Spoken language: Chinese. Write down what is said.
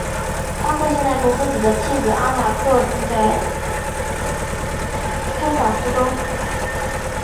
巴克现在同自己的妻子阿塔克住在堪萨斯州。